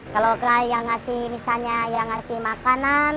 kalau kelar yang ngasih misalnya yang ngasih makan